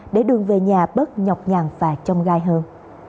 để đường về nhà bớt nhọc nhằn và trông gai hơn